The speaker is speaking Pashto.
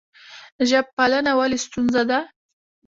ژب پالنه ولې ستونزه ده؟